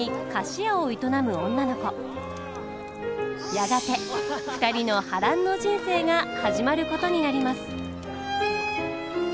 やがて２人の波乱の人生が始まることになります。